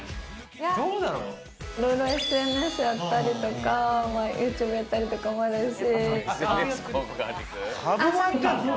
いろいろＳＮＳやったりとかＹｏｕＴｕｂｅやったりとかもあるし。